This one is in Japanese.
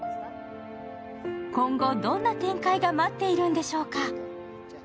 今後、どんな展開が待っているんでしょうか？